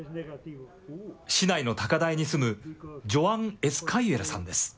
市内の高台に住むジョアン・エスカユエラさんです。